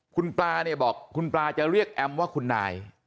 คุณปลาเนี่ยบอกคุณปลาจะเรียกแอมว่าคุณนาย